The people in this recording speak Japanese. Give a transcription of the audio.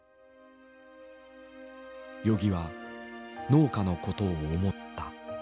与儀は農家のことを思った。